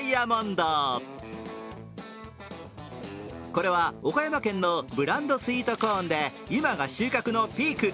これは岡山県のブランドスイートコーンで、今が収穫のピーク。